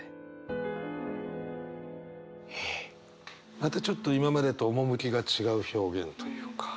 またちょっと今までと趣が違う表現というか。